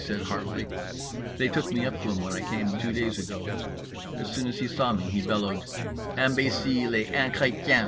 said heartily. "They took me up to him when I came two days ago. As soon as he saw me he bellowed: '_Imbécile et inchrétien!